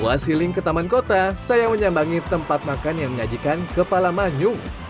puas healing ke taman kota saya menyambangi tempat makan yang menyajikan kepala manyung